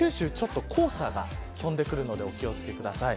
ちょっと黄砂が飛んでくるのでお気を付けください。